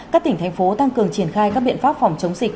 các tỉnh thành phố tăng cường triển khai các biện pháp phòng chống dịch